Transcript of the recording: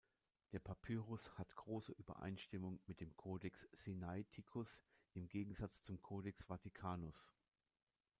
Der Papyrus hat große Übereinstimmung mit dem Codex Sinaiticus im Gegensatz zum Codex Vaticanus.